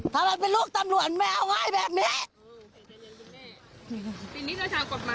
ถ้ามันเป็นลูกตำรวจไม่เอาไว้แบบนี้ทีนี้